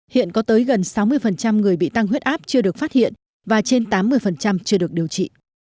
hiện có tới gần sáu mươi người bị tăng huyết áp chưa được phát hiện và trên tám mươi chưa được điều trị